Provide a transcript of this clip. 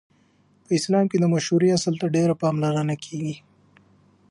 په اسلام کې د مشورې اصل ته ډېره پاملرنه کیږي.